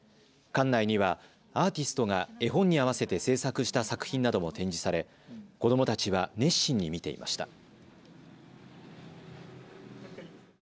館内にはアーティストが絵本に合わせて制作した作品なども展示され子どもたちは熱心に見ていました。